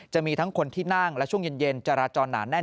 จะมีทั้งคนที่นั่งและช่วงเย็นจราจรหนาแน่น